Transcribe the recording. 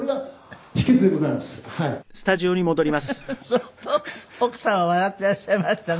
相当奥様は笑ってらっしゃいましたね。